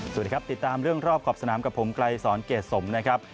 สวัสดีครับติดตามเรื่องรอบขอบสนามกับผมไกลสอนเกรดสมนะครับ